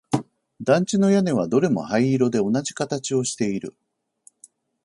団地の屋根はどれも灰色で同じ形をしている